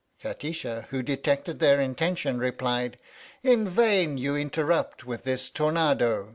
Kati sha, who detected their intention, replied: In vain you interrupt with this tornado!